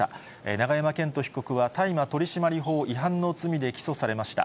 永山絢斗被告は大麻取締法違反の罪で起訴されました。